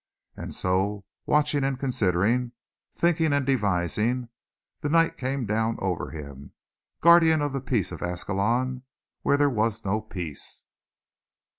And so, watching and considering, thinking and devising, the night came down over him, guardian of the peace of Ascalon, where there was no peace.